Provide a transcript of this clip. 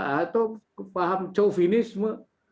atau paham chauvinisme